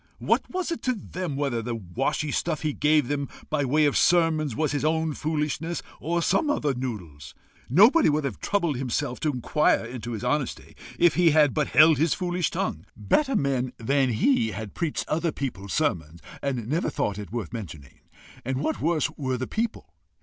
What was it to them whether the washy stuff he gave them by way of sermons was his own foolishness or some other noodle's! Nobody would have troubled himself to inquire into his honesty, if he had but held his foolish tongue. Better men than he had preached other people's sermons and never thought it worth mentioning. And what worse were the people?